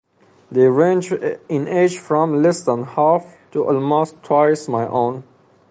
They range in age from less than half to almost twice my own.